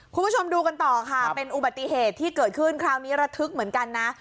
คุณผู้ชมดูกันต่อค่ะเป็นอุบัติเหตุที่เกิดขึ้นคราวนี้ระทึกเหมือนกันนะ